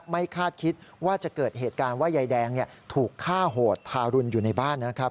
คาดคิดว่าจะเกิดเหตุการณ์ว่ายายแดงถูกฆ่าโหดทารุณอยู่ในบ้านนะครับ